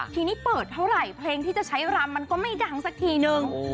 ทีนี้เปิดเท่าไหร่เพลงที่จะใช้รำมันก็ไม่ดังสักทีนึง